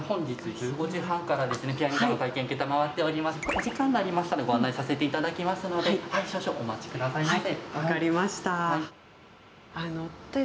お時間になりましたらご案内させていただきますので少々お待ちくださいませ。